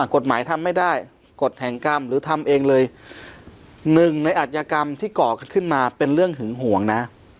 กฎหมายทำไม่ได้กฎแห่งกรรมหรือทำเองเลยหนึ่งในอัธยกรรมที่ก่อขึ้นมาเป็นเรื่องหึงห่วงนะ